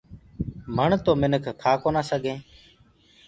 مڻ تو منک کآ ڪونآ سگھينٚ۔